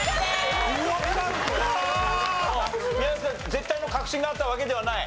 絶対の確信があったわけではない？